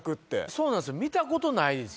そうなんですよ。